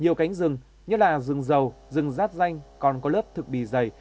nhiều cánh rừng nhất là rừng dầu rừng rát danh còn có lớp thực bì dày